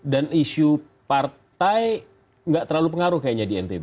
dan isu partai nggak terlalu pengaruh kayaknya di ntb